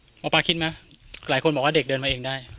หมอปลาคิดไหมหลายคนบอกว่าเด็กเดินมาเองได้